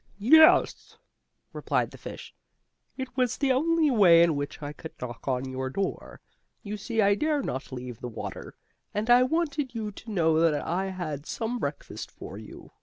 "Yes," replied the fish, "it was the only way in which I could knock on your door. You see I dare not leave the water, and I wanted you to know that I had some breakfast for you."